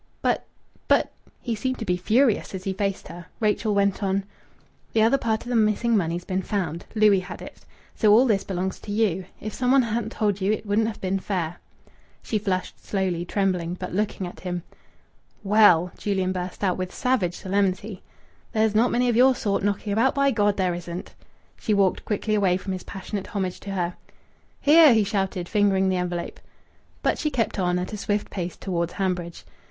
"But but " He seemed to be furious as he faced her. Rachel went on "The other part of the missing money's been found ... Louis had it. So all this belongs to you. If some one hadn't told you it wouldn't have been fair." She flushed slowly, trembling, but looking at him. "Well!" Julian burst out with savage solemnity, "there's not many of your sort knocking about. By G there isn't!" She walked quickly away from his passionate homage to her. "Here!" he shouted, fingering the envelope. But she kept on at a swift pace towards Hanbridge.